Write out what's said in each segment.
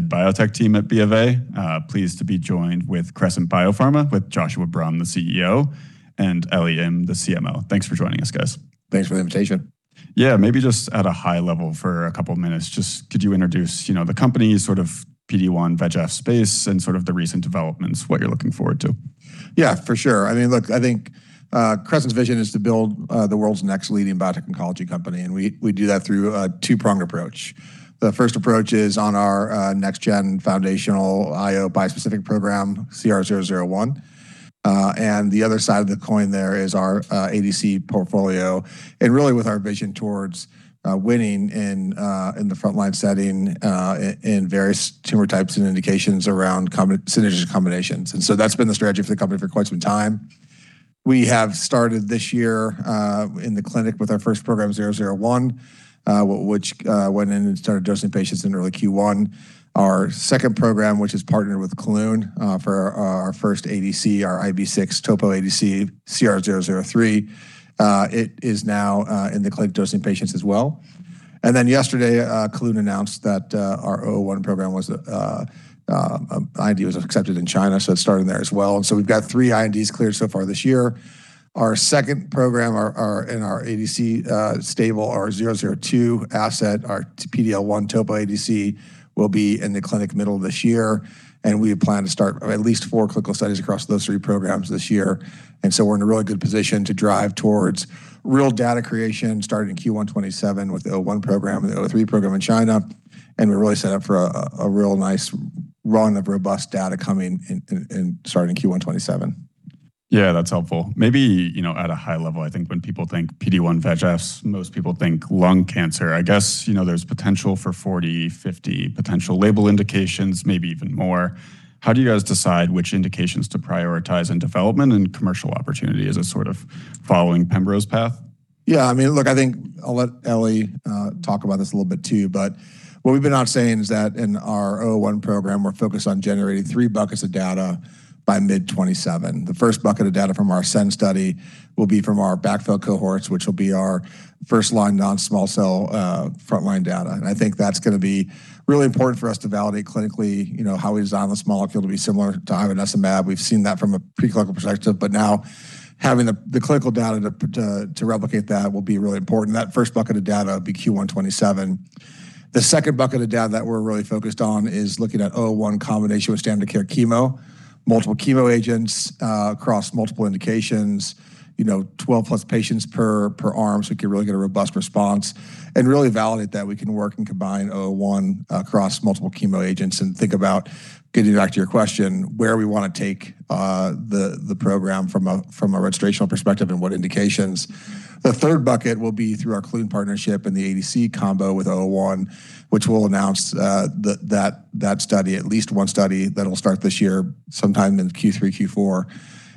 Mid-biotech team at BofA. pleased to be joined with Crescent Biopharma, with Joshua Brumm, the CEO, and Ellie Im, the CMO. Thanks for joining us, guys. Thanks for the invitation. Yeah, maybe just at a high level for a couple minutes, just could you introduce, you know, the company's sort of PD-1 × VEGF space and sort of the recent developments, what you're looking forward to? Yeah, for sure. I mean, look, I think, Crescent's vision is to build the world's next leading biotech oncology company, and we do that through a two-pronged approach. The first approach is on our next gen foundational IO bispecific program, CR-001. The other side of the coin there is our ADC portfolio, and really with our vision towards winning in the front line setting in various tumor types and indications around synergistic combinations. That's been the strategy for the company for quite some time. We have started this year in the clinic with our first program, CR-001, which went in and started dosing patients in early Q1. Our second program, which is partnered with Kelun-Biotech, for our first ADC, our ITGB6 topo ADC, CR-003, it is now in the clinic dosing patients as well. Yesterday, Kelun-Biotech announced that our 001 program was IND accepted in China, so it's starting there as well. We've got 3 INDs cleared so far this year. Our second program, in our ADC stable, our 002 asset, our PD-L1 topo ADC, will be in the clinic middle of this year. We plan to start at least 4 clinical studies across those 3 programs this year. We're in a really good position to drive towards real data creation, starting in Q1 2027 with the 001 program and the 003 program in China. We're really set up for a real nice run of robust data coming in starting Q1 2027. Yeah, that's helpful. Maybe, you know, at a high level, I think when people think PD-1 × VEGFs, most people think lung cancer. I guess, you know, there's potential for 40, 50 potential label indications, maybe even more. How do you guys decide which indications to prioritize in development and commercial opportunity as a sort of following pembrolizumab's path? I mean, look, I think I'll let Ellie Im talk about this a little bit too, but what we've been out saying is that in our CR-001 program, we're focused on generating 3 buckets of data by mid 2027. The 1st bucket of data from our ASCEND study will be from our backfill cohorts, which will be our 1st line non-small cell frontline data. I think that's gonna be really important for us to validate clinically, you know, how we design the small molecule to be similar to ivonescimab. We've seen that from a preclinical perspective, but now having the clinical data to replicate that will be really important. That 1st bucket of data will be Q1 2027. The second bucket of data that we're really focused on is looking at CR-001 combination with standard care chemo, multiple chemo agents, across multiple indications, you know, 12+ patients per arm. SO we can really get a robust response and really validate that we can work and combine CR-001 across multiple chemo agents and think about, getting back to your question, where we wanna take the program from a registrational perspective and what indications. The third bucket will be through our Kelun-Biotech partnership and the ADC combo with CR-001, which we'll announce that study, at least one study that'll start this year sometime in Q3,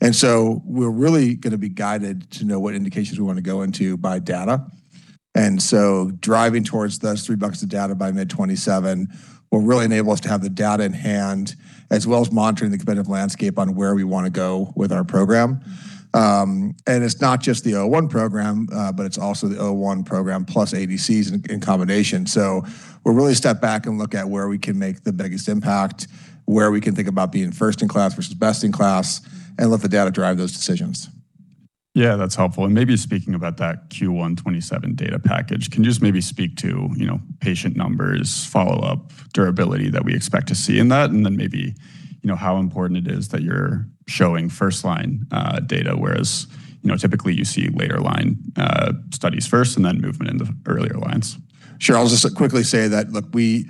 Q4. We're really gonna be guided to know what indications we wanna go into by data. Driving towards those three buckets of data by mid 2027 will really enable us to have the data in hand, as well as monitoring the competitive landscape on where we wanna go with our program. It's not just the CR-001 program, but it's also the CR-001 program plus ADCs in combination. We'll really step back and look at where we can make the biggest impact, where we can think about being first in class versus best in class, and let the data drive those decisions. Yeah, that's helpful. Maybe speaking about that Q1 2027 data package, can you just maybe speak to, you know, patient numbers, follow-up, durability that we expect to see in that, and then maybe, you know, how important it is that you're showing first-line data, whereas, you know, typically you see later-line studies first and then movement in the earlier lines. Sure. I'll just quickly say that, look, we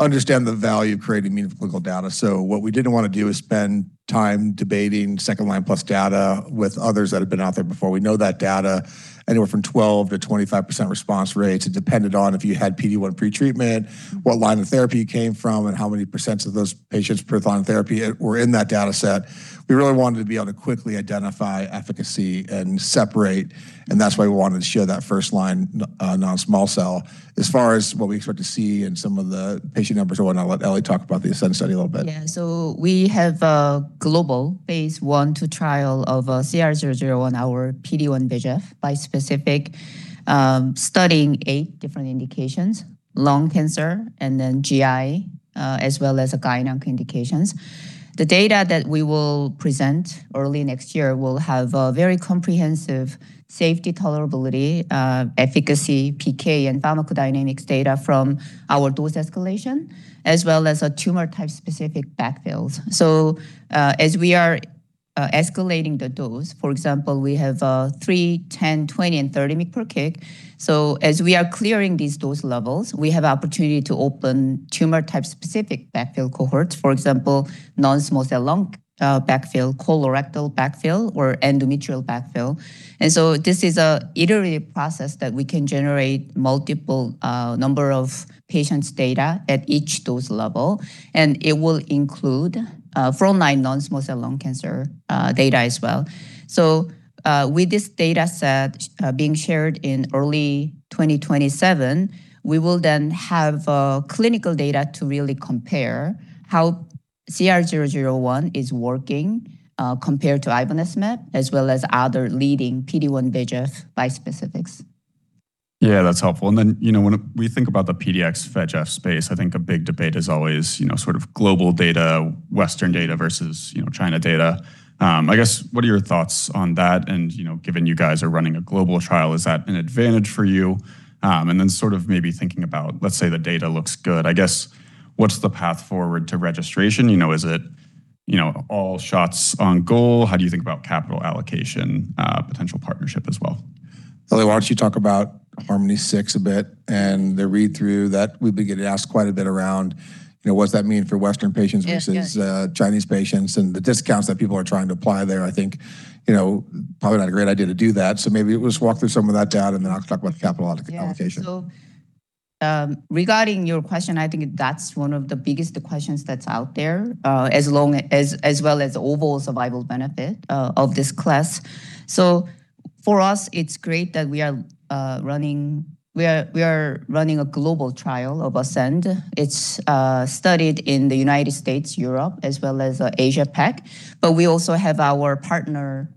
understand the value of creating meaningful clinical data. What we didn't want to do is spend time debating second line plus data with others that have been out there before. We know that data anywhere from 12-25% response rates. It depended on if you had PD-1 pretreatment, what line of therapy you came from, and how many % of those patients per line of therapy were in that data set. We really wanted to be able to quickly identify efficacy and separate. That's why we wanted to show that first line non-small cell. As far as what we expect to see in some of the patient numbers and what not, I'll let Ellie talk about the ASCEND study a little bit. Yeah. We have a global phase I/II trial of CR-001, our PD-1x VEGF bispecific, studying 8 different indications, lung cancer and then GI, as well as a gyn-onc indications. The data that we will present early next year will have a very comprehensive safety tolerability, efficacy, PK, and pharmacodynamics data from our dose escalation, as well as a tumor type specific backfills. As we are escalating the dose, for example, we have 3, 10, 20 and 30 mg per kg. As we are clearing these dose levels, we have opportunity to open tumor type specific backfill cohorts, for example, non-small cell lung, backfill, colorectal backfill or endometrial backfill. This is an iterative process that we can generate multiple number of patients' data at each dose level, and it will include frontline non-small cell lung cancer data as well. With this data set being shared in early 2027, we will then have clinical data to really compare how CR-001 is working compared to ivonescimab as well as other leading PD-1x VEGF bispecifics. Yeah, that's helpful. You know, when we think about the PD-1 x VEGF space, I think a big debate is always, you know, sort of global data, Western data versus, you know, China data. What are your thoughts on that? You know, given you guys are running a global trial, is that an advantage for you? Sort of maybe thinking about, let's say the data looks good. What's the path forward to registration? You know, is it, you know, all shots on goal? How do you think about capital allocation, potential partnership as well? Ellie, why don't you talk about HARMONi-6 a bit and the read-through that we've been getting asked quite a bit around, you know, what does that mean for Western patients? Yeah, yeah. Versus Chinese patients, and the discounts that people are trying to apply there. I think, you know, probably not a great idea to do that. Maybe just walk through some of that data, and then I'll talk about capital allocation. Regarding your question, I think that's one of the biggest questions that's out there, as long as well as overall survival benefit of this class. For us, it's great that we are running a global trial of ASCEND. It's studied in the United States, Europe, as well as Asia Pac. We also have our partner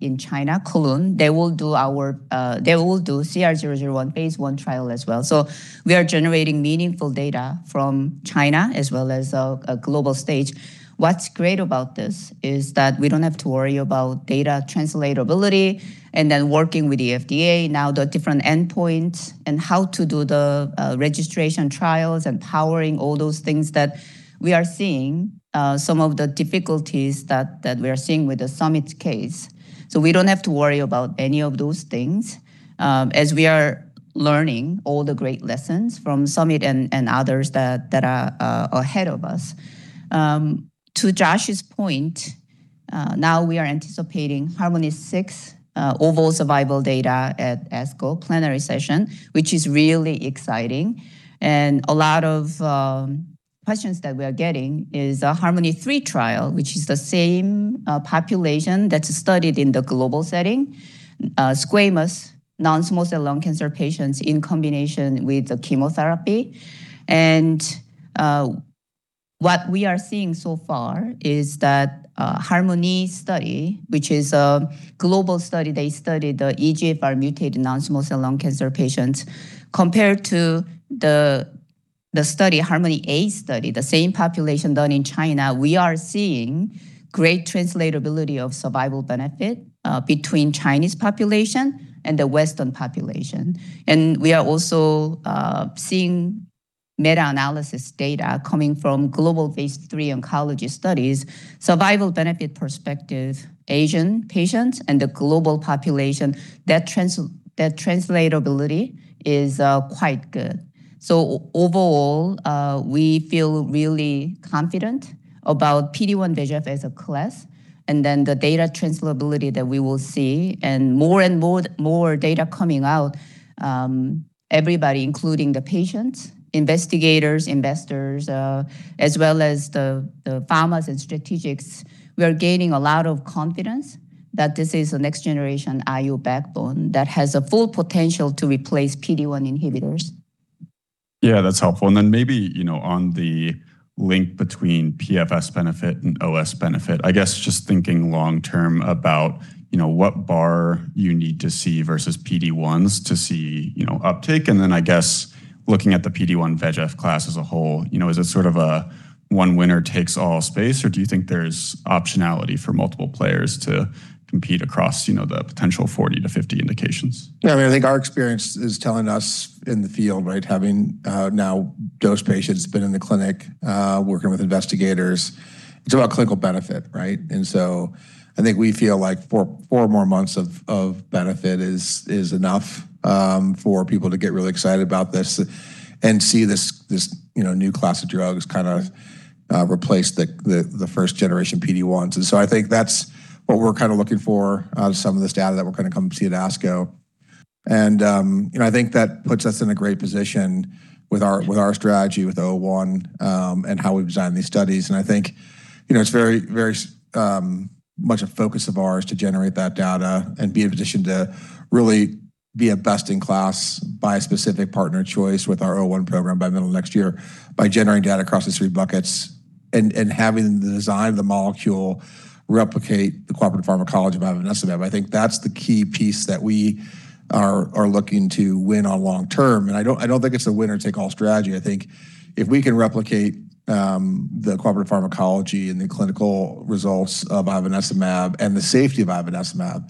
in China, Kelun. They will do CR-001 phase I trial as well. We are generating meaningful data from China as well as a global stage. What's great about this is that we don't have to worry about data translatability and then working with the FDA, now the different endpoints and how to do the registration trials and powering all those things that we are seeing, some of the difficulties that we are seeing with the Summit case. We don't have to worry about any of those things, as we are learning all the great lessons from Summit and others that are ahead of us. To Josh's point, now we are anticipating HARMONi-6 overall survival data at ASCO plenary session, which is really exciting. A lot of questions that we are getting is a HARMONi-3 trial, which is the same population that's studied in the global setting, squamous non-small cell lung cancer patients in combination with the chemotherapy. What we are seeing so far is that HARMONi study, which is a global study, they studied the EGFR-mutated non-small cell lung cancer patients. Compared to the study, HARMONi-A study, the same population done in China, we are seeing great translatability of survival benefit between Chinese population and the Western population. We are also seeing meta-analysis data coming from global phase III oncology studies. Survival benefit perspective, Asian patients and the global population, that translatability is quite good. Overall, we feel really confident about PD-1 x VEGF as a class, and then the data translatability that we will see, and more data coming out, everybody, including the patients, investigators, investors, as well as the pharmas and strategics. We are gaining a lot of confidence that this is a next generation IO backbone that has a full potential to replace PD-1 inhibitors. Yeah, that's helpful. Then maybe, you know, on the link between PFS benefit and OS benefit, I guess just thinking long term about, you know, what bar you need to see versus PD-1s to see, you know, uptake. Then I guess looking at the PD-1 x VEGF class as a whole, you know, is it sort of a one winner takes all space, or do you think there's optionality for multiple players to compete across, you know, the potential 40-50 indications? Yeah, I mean, I think our experience is telling us in the field, right, having now dose patients been in the clinic, working with investigators, it's about clinical benefit, right? I think we feel like 4 more months of benefit is enough for people to get really excited about this and see this, you know, new class of drugs kinda replace the first generation PD-1s. I think that's what we're kinda looking for out of some of this data that we're gonna come see at ASCO. You know, I think that puts us in a great position with our strategy with CR-001 and how we design these studies. I think, you know, it's very, very much a focus of ours to generate that data and be in position to really be a best in class bispecific partner of choice with our CR-001 program by middle of next year by generating data across the three buckets and having the design of the molecule replicate the cooperative pharmacology of ivonescimab. I think that's the key piece that we are looking to win on long term. I don't think it's a winner take all strategy. I think if we can replicate the cooperative pharmacology and the clinical results of ivonescimab and the safety of ivonescimab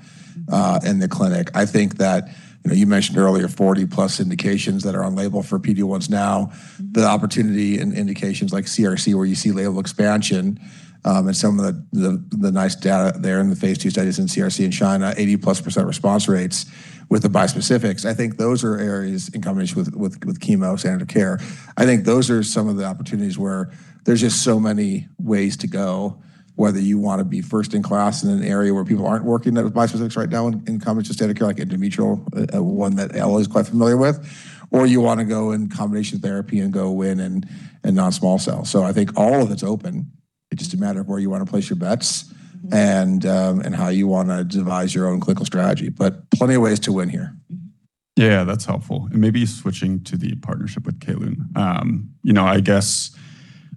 in the clinic, I think that, you know, you mentioned earlier 40 plus indications that are on label for PD-1s now. The opportunity and indications like CRC, where you see label expansion, and some of the nice data there in the phase II studies in CRC in China, 80% plus response rates with the bispecifics. I think those are areas in combination with chemo standard of care. I think those are some of the opportunities where there's just so many ways to go, whether you want to be first in class in an area where people aren't working with bispecifics right now in combination with standard of care, like endometrial, one that Ellie Im is quite familiar with, or you want to go in combination therapy and go win in non-small cell. I think all of it's open. It's just a matter of where you want to place your bets and how you want to devise your own clinical strategy. Plenty of ways to win here. Yeah, that's helpful. Maybe switching to the partnership with Kelun-Biotech. You know,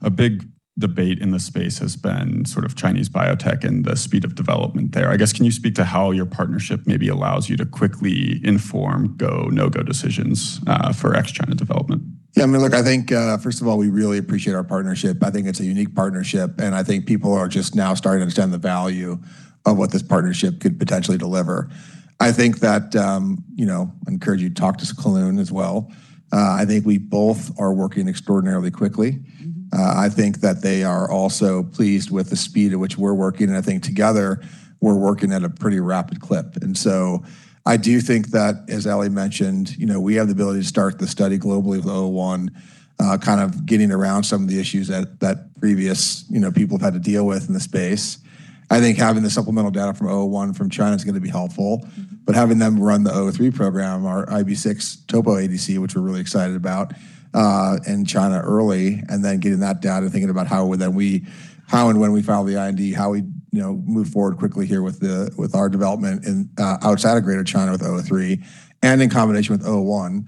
a big debate in the space has been sort of Chinese biotech and the speed of development there. I guess, can you speak to how your partnership maybe allows you to quickly inform go, no-go decisions for ex-China development? Yeah, I mean, look, I think, first of all, we really appreciate our partnership. I think it's a unique partnership, and I think people are just now starting to understand the value of what this partnership could potentially deliver. I think that, you know, encourage you to talk to Kelun as well. I think we both are working extraordinarily quickly. I think that they are also pleased with the speed at which we're working, and I think together we're working at a pretty rapid clip. I do think that, as Ellie mentioned, you know, we have the ability to start the study globally with 001, kind of getting around some of the issues that previous, you know, people have had to deal with in the space. I think having the supplemental data from 001 from China is gonna be helpful. Having them run the CR-003 program, our ITGB6 topo ADC, which we're really excited about, in China early, and then getting that data, thinking about how would then we how and when we file the IND, how we, you know, move forward quickly here with our development in outside of Greater China with CR-003 and in combination with CR-001,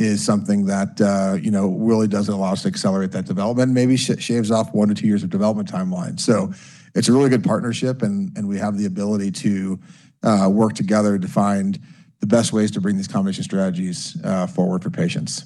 is something that, you know, really does allow us to accelerate that development, maybe shaves off 1 to 2 years of development timeline. It's a really good partnership, and we have the ability to work together to find the best ways to bring these combination strategies forward for patients.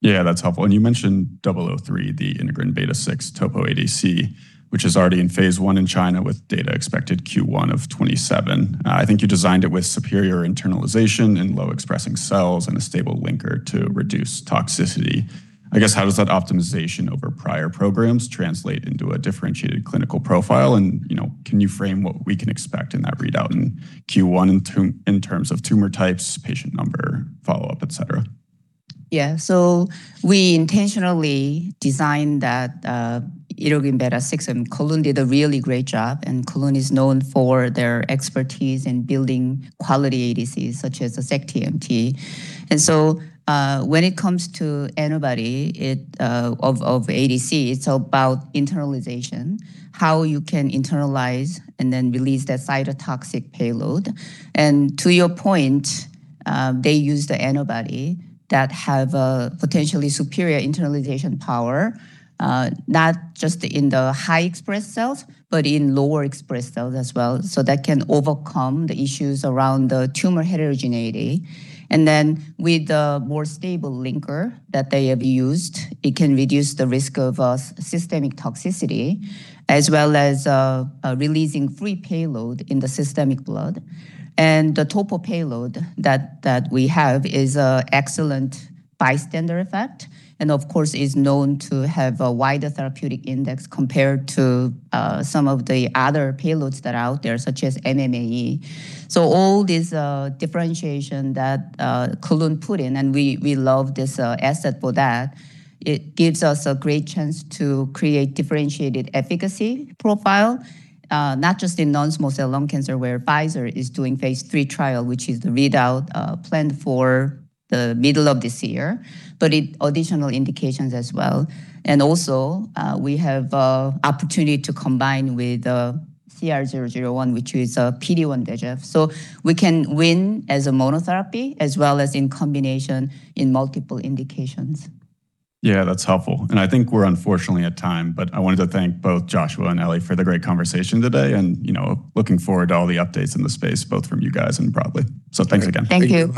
Yeah, that's helpful. You mentioned CR-003, the integrin beta-6 topo ADC, which is already in phase I in China with data expected Q1 2027. I think you designed it with superior internalization in low expressing cells and a stable linker to reduce toxicity. I guess, how does that optimization over prior programs translate into a differentiated clinical profile? You know, can you frame what we can expect in that readout in Q1 in terms of tumor types, patient number, follow-up, et cetera? Yeah. We intentionally designed that integrin beta-6. Kelun-Biotech did a really great job. Kelun-Biotech is known for their expertise in building quality ADCs, such as the sac-TMT. When it comes to antibody, of ADC, it's about internalization, how you can internalize and then release that cytotoxic payload. To your point, they use the antibody that have a potentially superior internalization power, not just in the high-express cells, but in lower-express cells as well. That can overcome the issues around the tumor heterogeneity. With the more stable linker that they have used, it can reduce the risk of systemic toxicity as well as releasing free payload in the systemic blood. The topo payload that we have is a excellent bystander effect, and of course, is known to have a wider therapeutic index compared to some of the other payloads that are out there, such as MMAE. All this differentiation that Kelun-Biotech put in, and we love this asset for that, it gives us a great chance to create differentiated efficacy profile, not just in non-small cell lung cancer, where Pfizer is doing phase III trial, which is the readout planned for the middle of this year, but additional indications as well. Also, we have a opportunity to combine with CR-001, which is a PD-1 x VEGF. We can win as a monotherapy as well as in combination in multiple indications. Yeah, that's helpful. I think we're unfortunately at time, but I wanted to thank both Joshua and Ellie for the great conversation today and, you know, looking forward to all the updates in the space, both from you guys and broadly. Thanks again. Thank you.